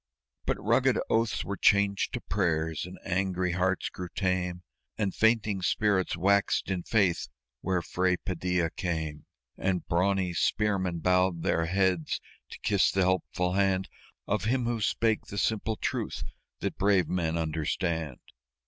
But rugged oaths were changed to prayers, and angry hearts grew tame, And fainting spirits waxed in faith where Fray Padilla came; And brawny spearmen bowed their heads to kiss the helpful hand Of him who spake the simple truth that brave men understand.